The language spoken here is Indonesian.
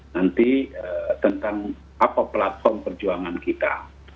nanti tentang apa platform perjuangan kita